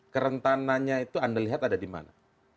kerentananya itu anda lihat ada dimana